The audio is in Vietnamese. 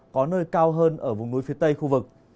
có nơi cao hơn ở vùng núi phía tây khu vực